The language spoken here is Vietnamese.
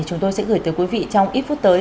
chúng tôi sẽ gửi tới quý vị trong ít phút tới